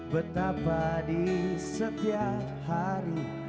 betapa di setiap hari